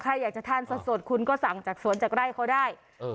ใครอยากจะทานสดสดคุณก็สั่งจากสวนจากไร่เขาได้เออ